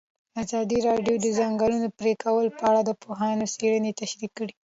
ازادي راډیو د د ځنګلونو پرېکول په اړه د پوهانو څېړنې تشریح کړې.